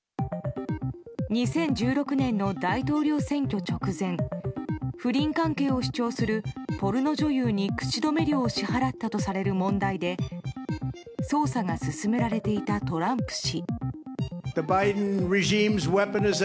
２０１６年の大統領選挙直前不倫関係を主張するポルノ女優に口止め料を支払ったとされる問題で捜査が進められていたトランプ氏。